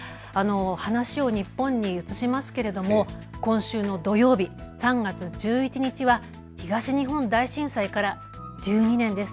話を日本に移しますけれど今週の土曜日、３月１１日は東日本大震災から１２年です。